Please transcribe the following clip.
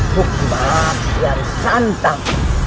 sukma kian santang